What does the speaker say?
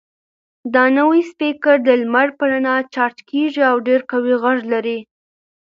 دا نوی سپیکر د لمر په رڼا چارج کیږي او ډېر قوي غږ لري.